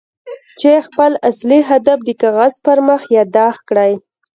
چې خپل اصلي هدف د کاغذ پر مخ ياداښت کړئ.